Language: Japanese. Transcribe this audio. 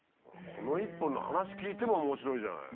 この一本の話聞いても面白いじゃない。